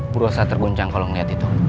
berusaha terguncang kalau melihat itu